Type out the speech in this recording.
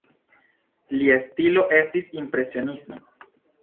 Lia stilo estis impresionismo.